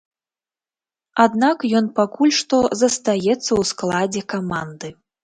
Аднак ён пакуль што застаецца ў складзе каманды.